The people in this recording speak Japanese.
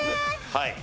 はい。